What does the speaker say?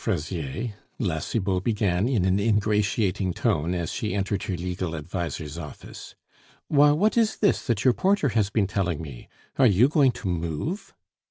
Fraisier," La Cibot began in an ingratiating tone as she entered her legal adviser's office. "Why, what is this that your porter has been telling me? are you going to move?"